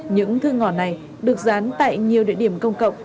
những thư ngỏ này được dán tại nhiều địa điểm công cộng